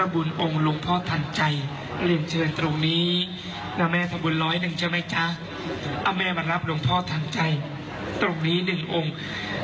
โดยทางใจตรงนี้อยู่๑อม